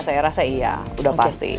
saya rasa iya udah pasti